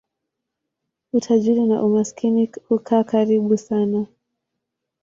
Utajiri na umaskini hukaa karibu sana.